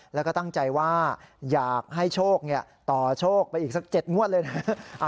แล้วก็ตั้งใจว่าอยากให้โชคต่อโชคไปอีกสัก๗งวดเลยนะ